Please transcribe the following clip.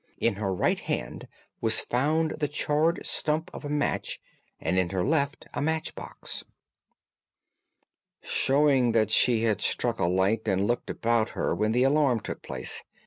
In her right hand was found the charred stump of a match, and in her left a match box." "Showing that she had struck a light and looked about her when the alarm took place.